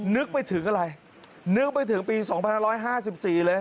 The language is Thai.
นึกไปถึงอะไรนึกไปถึงปีสองพันร้อยห้าสิบสี่เลย